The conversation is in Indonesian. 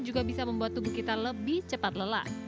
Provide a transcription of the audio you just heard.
juga bisa membuat tubuh kita lebih cepat lelah